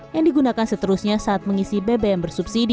yang digunakan seterusnya saat mengisi bbm bersubsidi